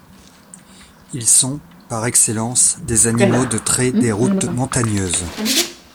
Ils sont, par excellence, des animaux de trait des routes montagneuses.